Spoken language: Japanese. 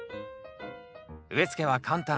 植え付けは簡単。